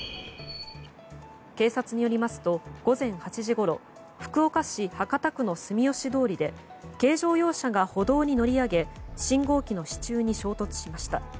警察によりますと午前８時ごろ福岡市博多区の住吉通りで軽乗用車が歩道に乗り上げ信号機の支柱に衝突しました。